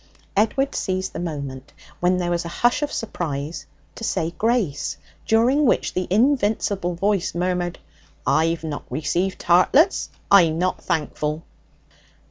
Edward seized the moment, when there was a hush of surprise, to say grace, during which the invincible voice murmured: 'I've not received tartlets. I'm not thankful.'